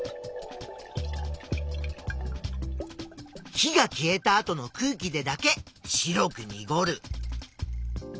火が消えた後の空気でだけ白くにごる。